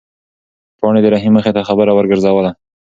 پاڼې د رحیم مخې ته خبره ورګرځوله.